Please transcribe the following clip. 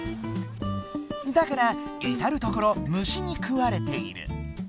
だからいたるところ虫に食われている。